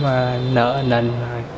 và nợ ảnh đành